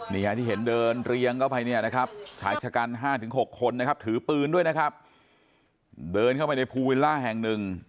นี่ฮะที่เห็นเดินเรียงเข้าไปเนี่ยนะครับชายชะกัน๕๖คนนะครับถือปืนด้วยนะครับเดินเข้าไปในภูวิลล่าแห่งหนึ่ง